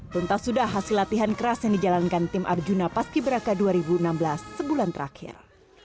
tuntas sudah hasil latihan keras yang dijalankan tim arjuna paski beraka dua ribu enam belas sebulan terakhir